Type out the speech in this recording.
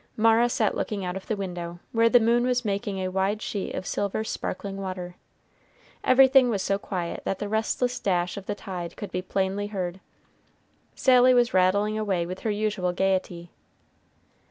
Mara sat looking out of the window, where the moon was making a wide sheet of silver sparkling water. Everything was so quiet that the restless dash of the tide could be plainly heard. Sally was rattling away with her usual gayety.